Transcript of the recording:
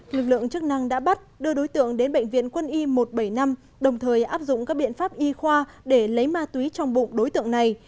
lực lượng chức năng đã bắt đưa đối tượng đến bệnh viện quân y một trăm bảy mươi năm đồng thời áp dụng các biện pháp y khoa để lấy ma túy trong bụng đối tượng này